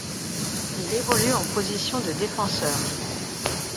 Il évolue en position de défenseur.